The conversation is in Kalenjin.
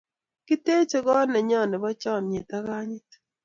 kiteje kot ne nyo nebo chamiet ak kanyit